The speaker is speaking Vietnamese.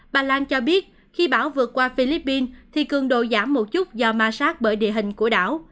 bà lan cho biết khi bão vượt qua philippines thì cường độ giảm một chút do massag bởi địa hình của đảo